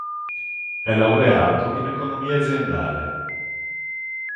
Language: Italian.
È laureato in economia aziendale.